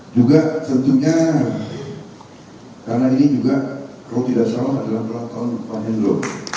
juga tentunya karena ini roti dasarroh adalah pelaku maja baik pak hendro